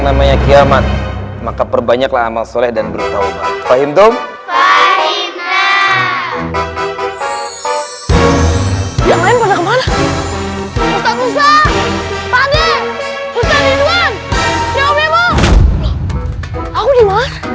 namanya kiamat maka perbanyaklah amal soleh dan bertawabat fahimdom fahimdom